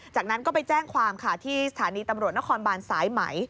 จากนั้นก็ไปแจ้งความค่ะที่สถานีตำรวจนครบานสายไหม